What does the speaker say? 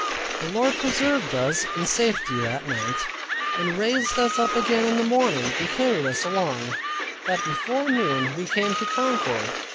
The Lord preserved us in safety that night, and raised us up again in the morning, and carried us along, that before noon, we came to Concord.